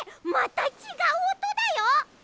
またちがうおとだよ。